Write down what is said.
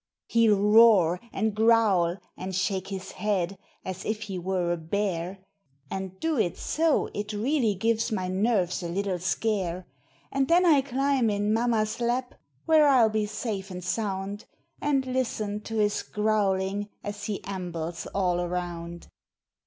He'll roar and growl and shake his head as if he were a bear, And do it so it really gives my nerves a little scare; And then I climb in mamma's lap, where I'll be safe and sound, And listen to his growling as he ambles all around.